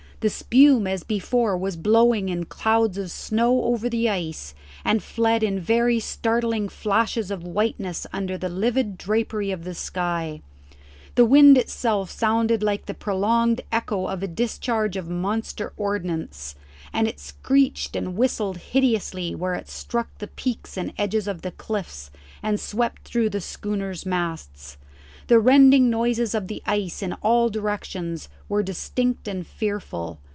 The spume as before was blowing in clouds of snow over the ice, and fled in very startling flashes of whiteness under the livid drapery of the sky. The wind itself sounded like the prolonged echo of a discharge of monster ordnance, and it screeched and whistled hideously where it struck the peaks and edges of the cliffs and swept through the schooner's masts. The rending noises of the ice in all directions were distinct and fearful.